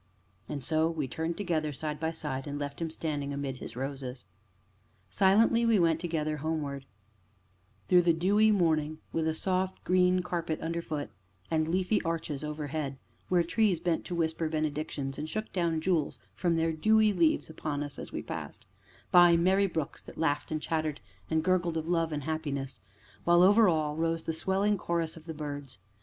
'" And so we turned together, side by side, and left him standing amid his roses. Silently we went together, homewards, through the dewy morning, with a soft, green carpet underfoot, and leafy arches overhead, where trees bent to whisper benedictions, and shook down jewels from their dewy leaves upon us as we passed; by merry brooks that laughed and chattered, and gurgled of love and happiness, while over all rose the swelling chorus of the birds.